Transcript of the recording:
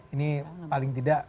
ini paling tidak